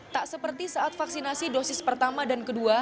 tak seperti saat vaksinasi dosis pertama dan kedua